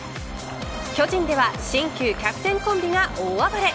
巨人では新旧キャプテンコンビが大暴れ。